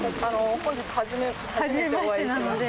本日初めてお会いました。